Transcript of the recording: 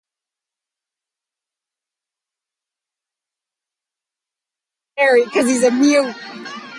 Islandia landowners called it Elliott Key Boulevard, but called it "Spite Highway" privately.